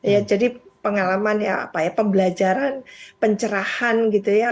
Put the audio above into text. ya jadi pengalaman ya apa ya pembelajaran pencerahan gitu ya